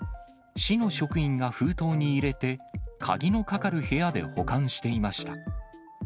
市の職員が封筒に入れて、鍵のかかる部屋で保管していました。